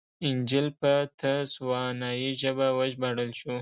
انجییل په تسوانایي ژبه وژباړل شو.